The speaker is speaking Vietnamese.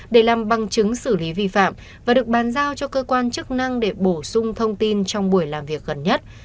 để làm bằng chứng xử lý vi phạm và được bàn giao cho cơ quan chức năng để bổ sung thông tin trong buổi làm việc gần nhất